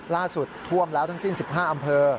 ท่วมแล้วทั้งสิ้น๑๕อำเภอ